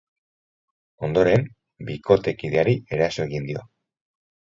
Ondoren, bikotekideari eraso egin dio.